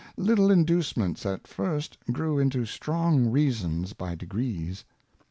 Little Inducements at first grew into strong Reasons by de grees.